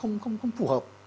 nó không phù hợp